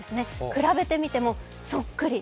比べてみても、そっくり。